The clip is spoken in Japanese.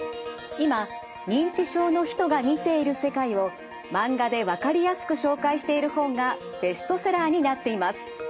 今認知症の人が見ている世界をマンガでわかりやすく紹介している本がベストセラーになっています。